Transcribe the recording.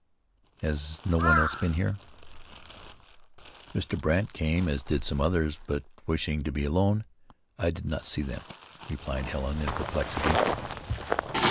"Has no one else been here?" "Mr. Brandt came, as did some others; but wishing to be alone, I did not see them," replied Helen in perplexity.